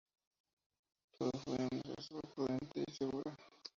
Todo fue un asesor prudente y segura.